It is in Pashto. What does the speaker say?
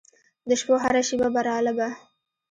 د شپو هره شیبه برالبه